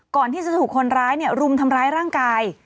ก่อนที่จะถูกคนร้ายรุมทำร้ายร่างกาย